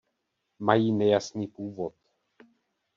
Mají nejasný původ.